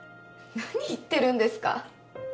何言ってるんですか？